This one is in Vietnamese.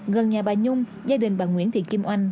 gần nhà bà nhung gia đình bà nguyễn thị kim oanh